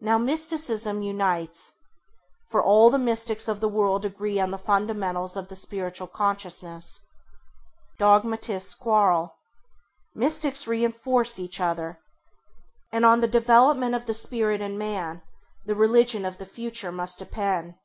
Now Mysticism unites, for all the Mystics of the world agree on the fundamentals of the spiritual consciousness. Dogmatists quarrel; Mystics reinforce each other; and on the development of the Spirit in man the religion of the future must depend.